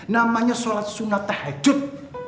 namanya sholat sunnah tahajud